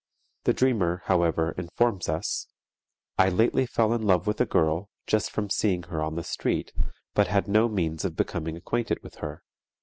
The dreamer, however, informs us, "I lately fell in love with a girl, just from seeing her on the street, but had no means of becoming acquainted with her.